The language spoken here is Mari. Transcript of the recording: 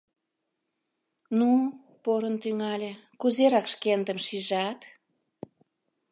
— Ну, — порын тӱҥале, — кузерак шкендым шижат?